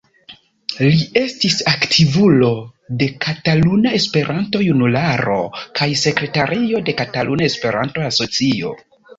Li estis aktivulo de Kataluna Esperanto-Junularo kaj sekretario de Kataluna Esperanto-Asocio.